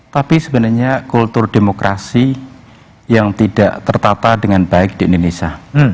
tapi sebenarnya kultur demokrasi yang tidak tertata dengan baik di indonesia